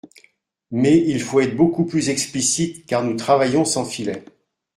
Mais il faut être beaucoup plus explicite, car nous travaillons sans filet.